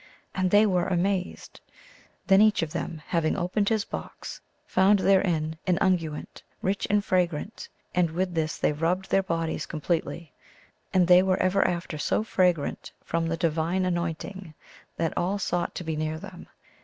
And they were amazed. Then each of them, having opened his box, found therein an unguent, rich and fragrant, and with this they rubbed their bodies completely. And they were ever after so fragrant from the divine anointing that all sought to be near them.